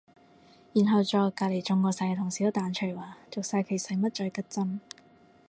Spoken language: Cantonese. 然後左右隔離中過晒嘅同事都彈出嚟話續晒期使乜再拮針